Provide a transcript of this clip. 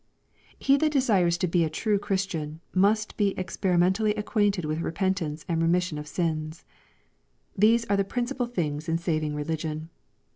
He that desires to be a true Christian, must be experi mentally acquainted with repentance and remission of sins. These are the principal things in saving religion.